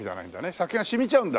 酒が染みちゃうんだ。